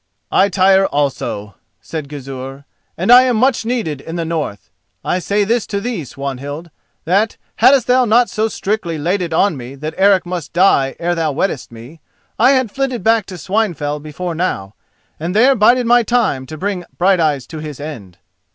"I tire also," said Gizur, "and I am much needed in the north. I say this to thee, Swanhild, that, hadst thou not so strictly laid it on me that Eric must die ere thou weddest me, I had flitted back to Swinefell before now, and there bided my time to bring Brighteyes to his end."